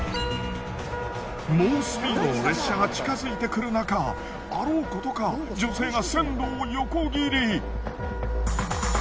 猛スピードの列車が近づいてくるなかあろうことか女性が線路を横切り。